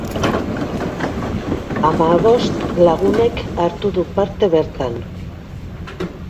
Hamabost lagunek hartu du parte bertan.